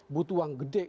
butuh uang gede